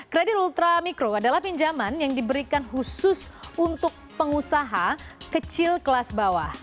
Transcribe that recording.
kredit ultramikro adalah pinjaman yang diberikan khusus untuk pengusaha kecil kelas bawah